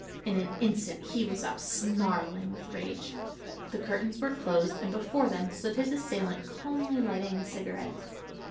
In an instant he was up, snarling with rage. The curtains were closed and before them stood his assailant calmly lighting a cigarette.